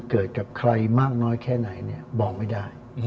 ใครมากน้อยแค่ไหนบอกไม่ได้